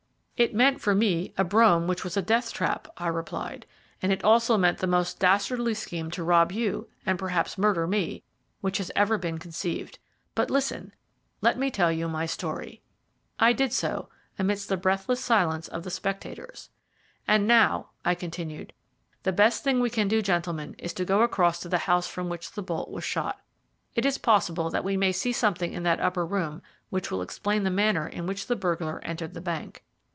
"It meant for me a brougham which was a death trap," I replied: "and it also meant the most dastardly scheme to rob you, and perhaps murder me, which has ever been conceived. But listen, let me tell my story." I did so, amidst the breathless silence of the spectators. "And now," I continued, "the best thing we can do, gentlemen, is to go across to the house from which the bolt was shot. It is possible that we may see something in that upper room which will explain the manner in which the burglar entered the bank."